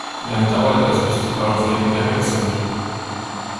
Wie lange dauert es, bis die blauen Flecken wieder weg sind?